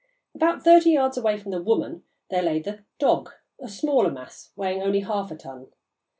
About thirty yards away from the "woman" there lay the "dog," a smaller mass weighing only half a ton.